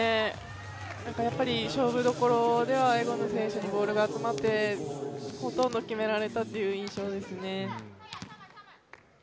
勝負どころではエゴヌ選手にボールが集まってほとんど決められたという印象ですね。